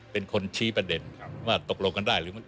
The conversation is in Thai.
เป็นคนชี้ประเด็นว่าตกลงกันได้หรือไม่